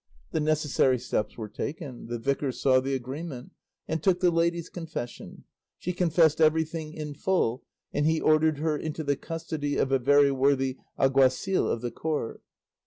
The necessary steps were taken; the Vicar saw the agreement, and took the lady's confession; she confessed everything in full, and he ordered her into the custody of a very worthy alguacil of the court."